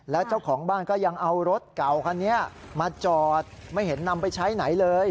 แล้วเจ้าของบ้านก็ยังเอารถเก่าคันนี้มาจอดไม่เห็นนำไปใช้ไหนเลย